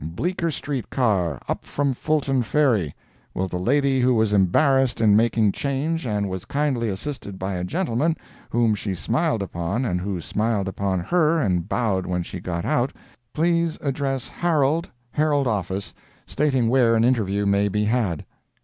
BLEECKER STREET CAR, UP FROM FULTON Ferry. Will the lady who was embarrassed in making change and was kindly assisted by a gentleman, whom she smiled upon and who smiled upon her and bowed when she got out, please address Harold, Herald office, stating where an interview may be had?"